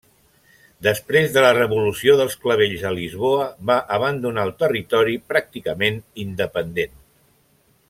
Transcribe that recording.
Després de la Revolució dels clavells a Lisboa, va abandonar el territori pràcticament independent.